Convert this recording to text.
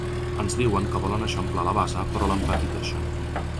Ens diuen que volen eixamplar la base però l’empetiteixen.